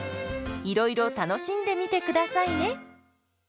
いろいろ楽しんでみてくださいね。